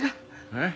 えっ？